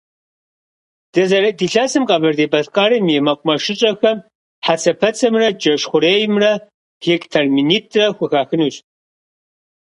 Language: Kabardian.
Дызэрыт илъэсым Къэбэрдей-Балъкъэрым и мэкъумэшыщӀэхэм хьэцэпэцэмрэ джэш хъуреймрэ гектар минитӀрэ хухахынущ.